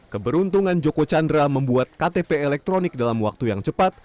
keberuntungan joko chandra membuat ktp elektronik dalam waktu yang cepat